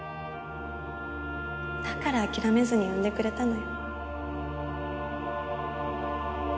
だから諦めずに産んでくれたのよ。